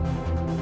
aku mau ke rumah